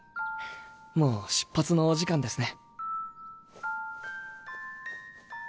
もう出発のお時間ですね。